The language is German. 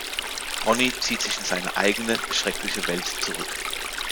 Ronny zieht sich in seine eigene schreckliche Welt zurück.